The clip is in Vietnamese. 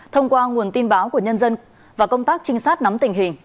thông qua nguồn tin báo của nhân dân và công tác trinh sát nắm tình hình